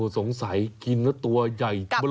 สงสัยกินแล้วตัวใหญ่ก็บรรมกรม